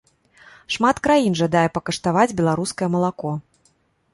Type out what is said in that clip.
Шмат краін жадае пакаштаваць беларускае малако.